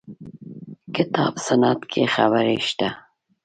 کتاب سنت کې خبرې شته.